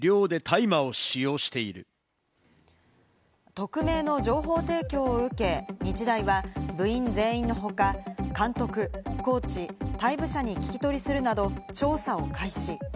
匿名の情報提供を受け、日大は部員全員の他、監督、コーチ、退部者に聞き取りするなど調査を開始。